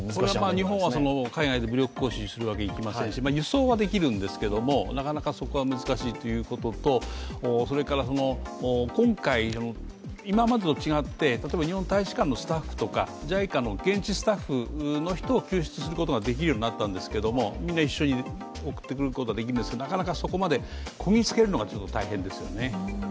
これは日本は海外で武力行使するわけにいきませんし輸送はできるんですけれどもなかなかそこは難しいということと、それから、今回、今までと違って日本の大使館のスタッフとかＪＩＣＡの現地スタッフの人を救出することができるようになったんですけどみんな一緒に送ってくることはできるんですけれどもなかなかそこまでこぎつけることが大変ですよね。